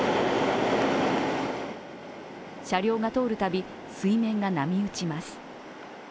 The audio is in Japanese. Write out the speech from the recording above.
車両が通る度、水面が波打ちます。